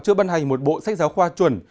chưa bân hành một bộ sách giáo khoa chuẩn